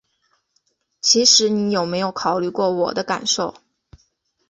其实你有没有考虑过我的感受？